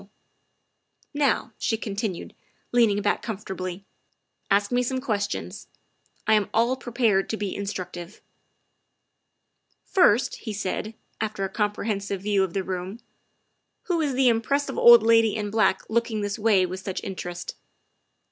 THE SECRETARY OF STATE 53 '' Now, '' she continued, leaning back comfortably, " ask me some questions. I am all prepared to be in structive. ''" First," he said, after a comprehensive view of the room, " who is the impressive old lady in black looking this way with such interest?"